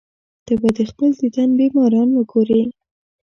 ته به د خپل دیدن بیماران وګورې.